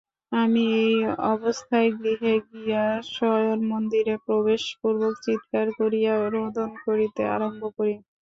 আমি এই অবস্থায় গৃহে গিয়া শয়নমন্দিরে প্রবেশপূর্বক চীৎকার করিয়া রোদন করিতে আরম্ভ করি।